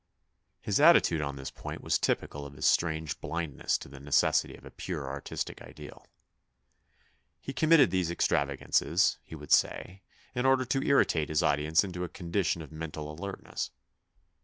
His attitude on this point was typical of his strange blindness to the necessity of a pure artistic ideal. He committed these extrava gances, he would say, in order to irritate his audience into a condition of mental alertness.